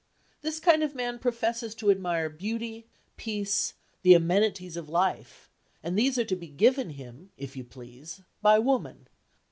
This kind of man professes to admire beauty, peace, the amenities of life, and these are to be given him, if you please, by woman.